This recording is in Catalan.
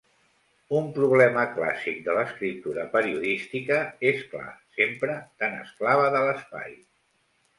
Un problema clàssic de l'escriptura periodística, és clar, sempre tan esclava de l'espai.